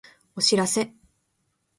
お知らせ